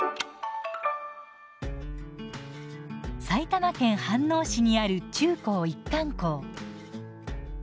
埼玉県飯能市にある中高一貫校。